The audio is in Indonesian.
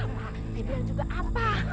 mas dibiar juga apa